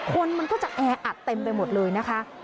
คนมันก็จะแออัดเต็มไปหมดเลยนะคะ